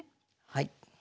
はい。